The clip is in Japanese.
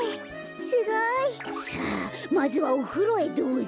すごい。さあまずはおふろへどうぞ。